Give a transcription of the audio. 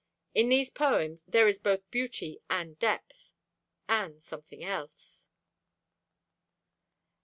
In these poems there is both beauty and depth—and something else.